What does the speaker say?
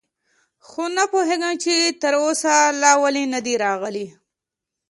خو نه پوهېږم، چې تراوسه لا ولې نه دي راغلي.